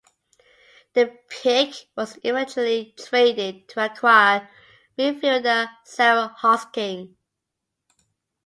The pick was eventually traded to acquire midfielder Sarah Hosking.